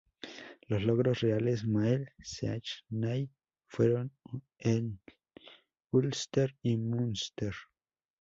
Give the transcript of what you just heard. Los logros reales Máel Sechnaill fueron en Ulster y Munster.